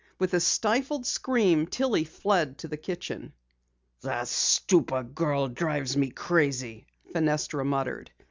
With a stifled scream Tillie fled to the kitchen. "That stupid girl drives me crazy," Fenestra muttered.